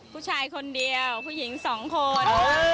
ผู้ชายคนเดียวผู้หญิงสองคน